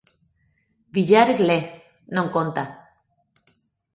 Villares le, non conta.